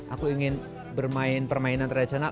aku ingin bermain permainan tradisional